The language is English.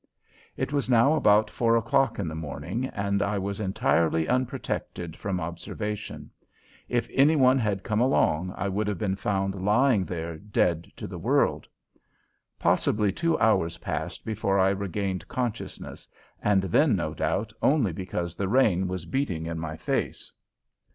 It was now about four o'clock in the morning and I was entirely unprotected from observation. If any one had come along I would have been found lying there dead to the world. Possibly two hours passed before I regained consciousness, and then, no doubt, only because the rain was beating in my face.